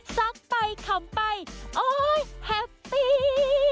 ซักไปขำไปโอ๊ยแฮปปี้